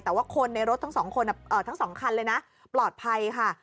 แต่ว่าคนในรถทั้ง๒คันเลยนะปลอดภัยค่ะ